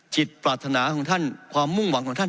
จิตปรารถนาของท่านความมุ่งหวังของท่าน